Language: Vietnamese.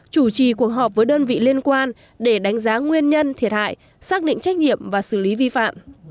chủ trì cuộc họp với đơn vị liên quan để đánh giá nguyên nhân thiệt hại xác định trách nhiệm và xử lý vi phạm